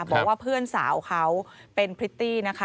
บอกว่าเพื่อนสาวเขาเป็นพริตตี้นะคะ